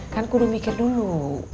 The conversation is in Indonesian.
kan gue udah mikir dulu